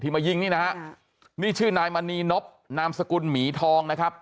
มายิงนี่นะฮะนี่ชื่อนายมณีนบนามสกุลหมีทองนะครับ